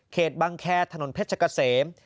เขตบางแคร์ถนนเพชรกะเสม